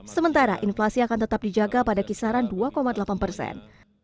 sementara inflasi akan tetap dijaga pada kisaran dua delapan persen